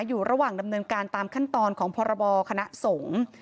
อยู่ระหว่างดำเนินการตามขั้นตอนของพรบคณะสงฆ์